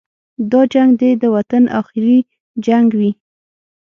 دا جنګ دې د وطن اخري جنګ وي.